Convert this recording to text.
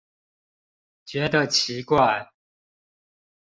覺得奇怪